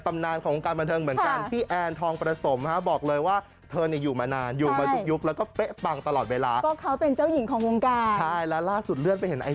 ตำนานของกองการบันเทิงเหมือนกัน